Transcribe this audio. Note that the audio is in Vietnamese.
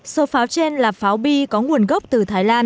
số pháo trên là pháo bi có nguồn gốc từ thái lan